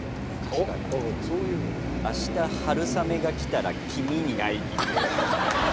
明日春雨が来たら黄身に会いに行こう。